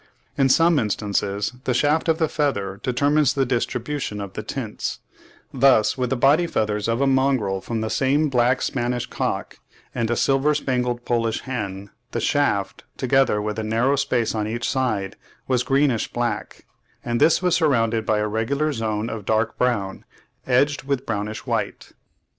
In some instances the shaft of the feather determines the distribution of the tints; thus with the body feathers of a mongrel from the same black Spanish cock and a silver spangled Polish hen, the shaft, together with a narrow space on each side, was greenish black, and this was surrounded by a regular zone of dark brown, edged with brownish white.